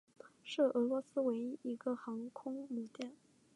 是俄罗斯唯一一艘航空母舰。